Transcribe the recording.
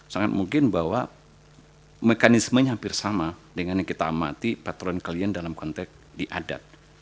sangat mungkin bahwa mekanismenya hampir sama dengan yang kita amati patron kalian dalam konteks di adat